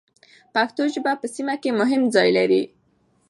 پښتو ژبه په سیمه کې مهم ځای لري.